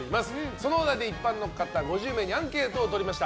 そのお題で一般の方５０名にアンケートをとりました。